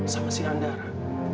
sama si andara